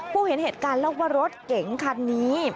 เห็นเหตุการณ์เล่าว่ารถเก๋งคันนี้